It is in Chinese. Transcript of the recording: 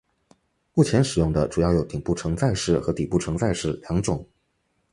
目前使用的主要有顶部承载式和底部承载式两种。